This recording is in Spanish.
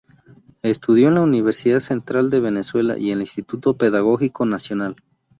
Estudió en la Universidad Central de Venezuela y en el Instituto Pedagógico Nacional.